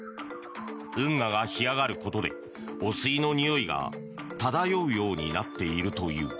運河が干上がることで汚水のにおいが漂うようになっているという。